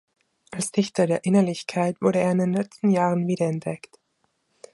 Als Dichter der „Innerlichkeit“ wurde er in den letzten Jahren wiederentdeckt.